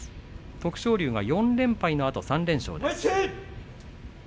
徳勝龍は４連敗のあと３連勝です。